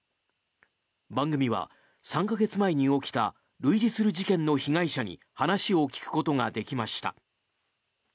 番組は３か月前に起きた類似する事件の被害者に話を聞くことができました。